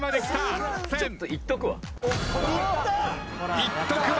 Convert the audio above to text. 「いっとくわ」